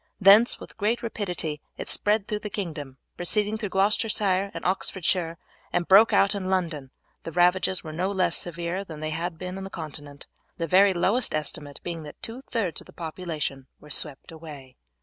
Thence with great rapidity it spread through the kingdom; proceeding through Gloucestershire and Oxfordshire it broke out in London, and the ravages were no less severe than they had been on the Continent, the very lowest estimate being that two thirds of the population were swept away.